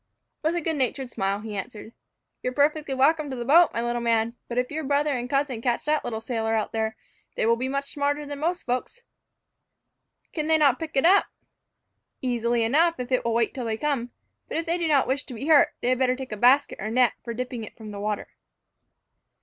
With a good natured smile, he answered, "You are perfectly welcome to the boat, my little man; but if your brother and cousin catch that little sailor out there, they will be much smarter than most folks." "Can they not pick it up?" "Easily enough, if it will wait till they come. But if they do not wish to be hurt, they had better take a basket or net for dipping it from the water."